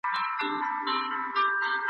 شمع نه په زړه کي دښمني لري ..